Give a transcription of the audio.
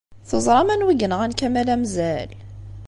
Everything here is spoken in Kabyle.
Teẓṛam anwa i yenɣan Kamel Amzal?